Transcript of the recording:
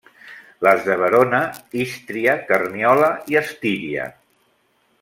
Les de Verona, Ístria, Carniola i Estíria.